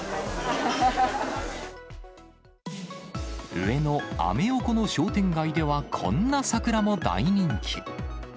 上野・アメ横の商店街では、こんな桜も大人気。